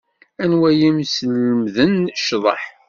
Anwa i am-yeslemden ccḍeḥ?